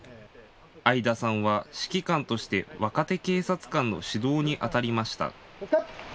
相田さんは指揮官として若手警察官の指導にあたりました。